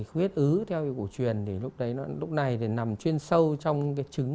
huyết ứ theo cổ truyền thì lúc này nằm chuyên sâu trong trường